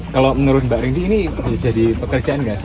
kalau menurut mbak rindy ini jadi pekerjaan gak sih